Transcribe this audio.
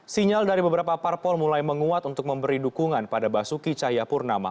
sinyal dari beberapa parpol mulai menguat untuk memberi dukungan pada basuki cahayapurnama